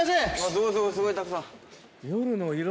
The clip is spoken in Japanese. すごいすごいたくさん。